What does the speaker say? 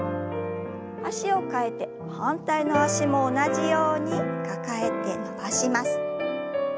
脚を替えて反対の脚も同じように抱えて伸ばします。